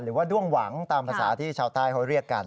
ด้วงหวังตามภาษาที่ชาวใต้เขาเรียกกัน